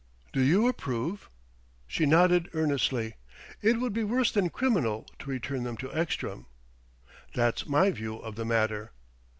Do you approve?" She nodded earnestly: "It would be worse than criminal to return them to Ekstrom...." "That's my view of the matter."